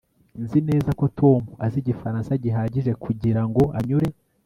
nzi neza ko tom azi igifaransa gihagije kugirango anyure